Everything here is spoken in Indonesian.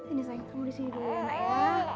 ini sayang kamu di sini dulu ya anak ya